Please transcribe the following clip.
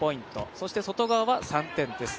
そして外側は３点です。